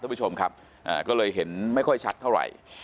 ท่านผู้ชมครับก็เลยเห็นไม่ค่อยชัดเท่าไหร่